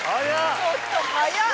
ちょっと早っ。